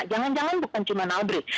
jangan jangan bukan cuma naubrid